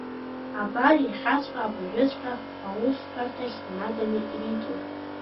Абар иахьаҵәҟьа, абыржәыҵәҟьа аусҳәарҭахь инаганы ириҭон.